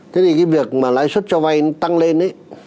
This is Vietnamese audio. thế thì việc lãi xuất cho vay tăng lên